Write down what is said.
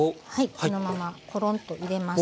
このままコロンと入れます。